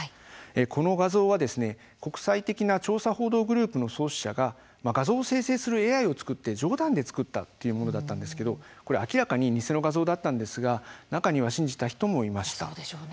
この画像は国際的な調査報道グループの創始者が画像を生成するＡＩを使って冗談で作ったというものだったんですけれども明らかに偽の画像だったんですが中には信じた人もいました。